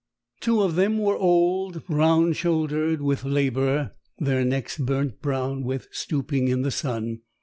Two of them were old, round shouldered with labour, their necks burnt brown with stooping in the sun.